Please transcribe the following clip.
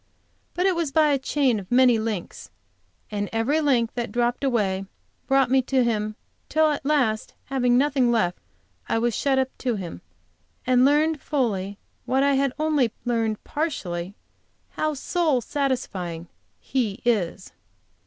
But it was by a chain of many links; and every link that dropped away, brought me to Him, till at last, having nothing left, I was shut up to Him, and learned fully, what I had only learned partially, how soul satisfying He is."